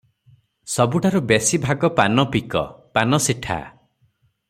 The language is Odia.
ସବୁଠାରୁ ବେଶି ଭାଗ ପାନପିକ, ପାନସିଠା ।